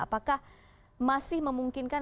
apakah masih memungkinkan